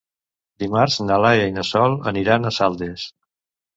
Dimarts na Laia i na Sol aniran a Saldes.